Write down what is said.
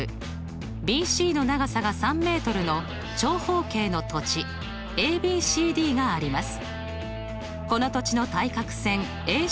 ＢＣの長さが３ｍの長方形の土地ＡＢＣＤがあります。